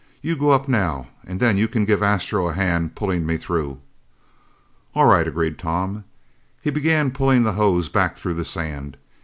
"You go up now and then you can give Astro a hand pulling me through." "All right," agreed Tom. He began pulling the hose back through the sand.